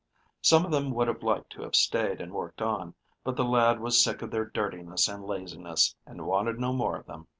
Some of them would have liked to have stayed and worked on, but the lad was sick of their dirtiness and laziness, and wanted no more of them.